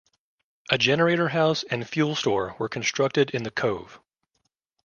A generator house and fuel store were constructed in the Cove.